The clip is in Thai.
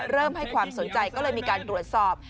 ให้ความสนใจก็เลยมีการตรวจสอบ